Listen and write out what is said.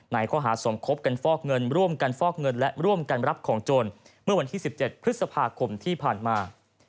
ในข้อหาสมคบกันฟอกเงินร่วมกันฟอกเงินและร่วมกันรับของโจรเมื่อวันที่๑๗พฤษภาคมที่ผ่านมา